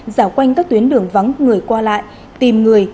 dạo quanh các tuyến đường vắng người qua lại tìm người